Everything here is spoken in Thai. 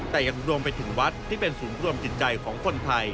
แต่ยังรวมไปถึงวัดที่เป็นศูนย์รวมจิตใจของคนไทย